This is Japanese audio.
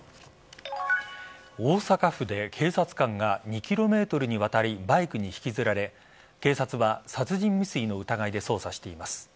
大阪府で警察官が２ｋｍにわたりバイクに引きずられ警察は殺人未遂の疑いで捜査しています。